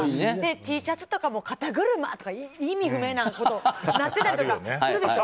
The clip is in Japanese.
Ｔシャツとかも「肩車」とか、意味不明なものになってたりするでしょ。